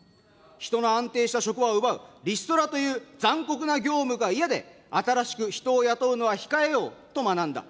人の安定所得を奪うリストラという残酷な業務が嫌で、新しく人を雇うのは控えようと学んだ。